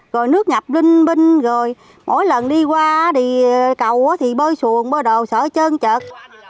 rồi nước nhập linh binh rồi mỗi lần đi qua thì cầu thì bơi xuồng bơi đồ sợ chơn trợt